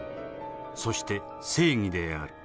そして正義である。